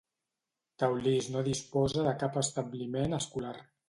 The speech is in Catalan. Teulís no disposa de cap establiment escolar.